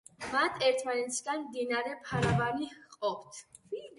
მათ ერთმანეთისგან მდინარე ფარავანი ჰყოფს.